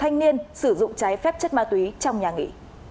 một mươi bảy thanh niên sử dụng trái phép chất ma tuế trong nhà nghỉ